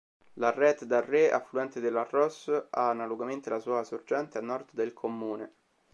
L"Arrêt-Darré", affluente dell"Arros", ha analogamente la sua sorgente a nord del commune.